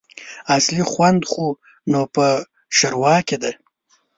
اصلي خوند خو نو په ښوروا کي دی !